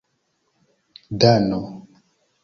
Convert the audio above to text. dano